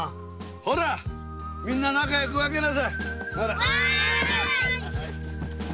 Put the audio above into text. ほらみんな仲良く分けなさい！